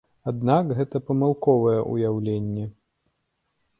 Аднак гэта памылковае ўяўленне.